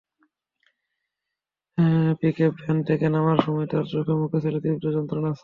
Pickup van থেকে নামার সময় তাঁর চোখে-মুখে ছিল তীব্র যন্ত্রণার ছাপ।